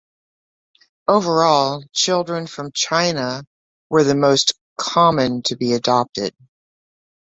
Overall, children from China were the most common to be adopted.